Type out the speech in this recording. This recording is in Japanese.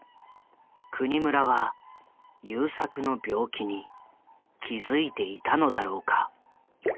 國村は優作の病気に気付いていたのだろうか。